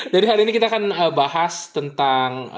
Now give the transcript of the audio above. jadi hari ini kita akan bahas tentang